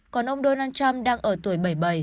còn ông donald trump đang ở tuổi bảy mươi bảy